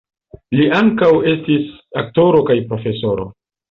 Li ankaŭ estis aktoro kaj profesoro.